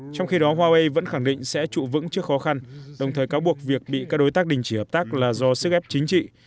trong khi đó huawei vẫn khẳng định sẽ trụ vững trước khó khăn đồng thời cáo buộc việc bị các đối tác đình chỉ hợp tác là do sức ép chính trị